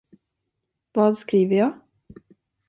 Vad skriver jag?